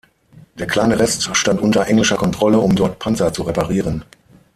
Der kleine Rest stand unter englischer Kontrolle, um dort Panzer zu reparieren.